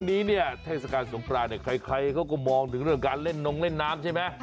วันนี้เนี่ยเทศกาลสงครานเนี่ยใครเขาก็มองถึงเรื่องการเล่นนงเล่นน้ำใช่ไหม